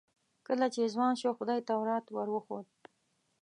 کله چې ځوان شو خدای تورات ور وښود.